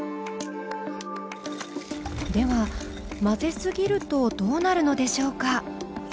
では混ぜすぎるとどうなるのでしょうか？